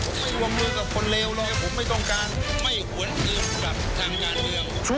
ผมไม่ว่ามือกับคนเลวหรอกผมไม่ต้องการ